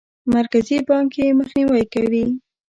مرکزي بانک یې مخنیوی کوي.